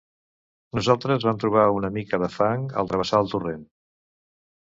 Nosaltres vam trobar una mica de fang al travessar el torrent.